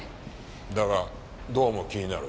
だがどうも気になる。